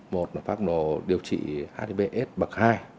một là phác đồ điều trị adbs bậc hai